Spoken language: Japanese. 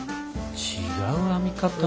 違う編み方？